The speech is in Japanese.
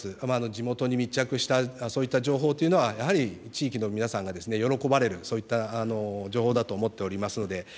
地元に密着した、そういった情報というのは、やはり地域の皆さんが喜ばれる、そういった情報だと思っておりますので。